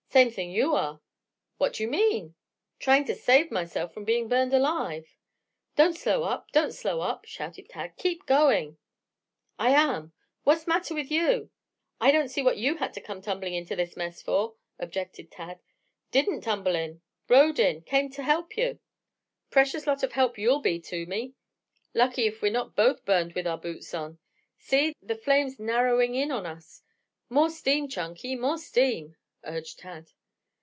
"Same thing you are." "What do you mean?" "Trying to save myself from being burned alive " "Don't slow up! Don't slow up!" shouted Tad. "Keep going!" "I am. Wat's matter with you?" "I don't see what you had to come tumbling into this mess for," objected Tad. "Didn't tumble in. Rode in. Came to help you " "Precious lot of help you'll be to me. Lucky if we're not both burned with our boots on. See! The flame's narrowing in on us. More steam, Chunky! More steam!" urged Tad.